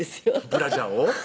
ブラジャーを？